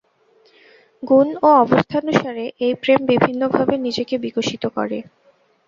গুণ ও অবস্থানুসারে এই প্রেম বিভিন্নভাবে নিজেকে বিকশিত করে।